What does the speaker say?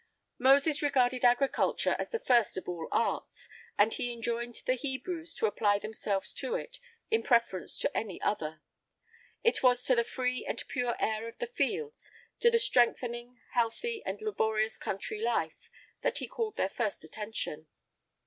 Moses regarded agriculture as the first of all arts, and he enjoined the Hebrews to apply themselves to it in preference to any other: it was to the free and pure air of the fields, to the strengthening, healthy, and laborious country life, that he called their first attention.